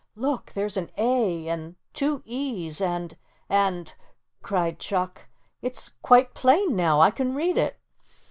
"Look, there's an 'a' and two 'e's,' and and," cried Chuck, "it's quite plain now. I can read it."